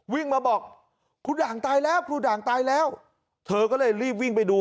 วิ่งมาบอกครูด่างตายแล้วครูด่างตายแล้วเธอก็เลยรีบวิ่งไปดู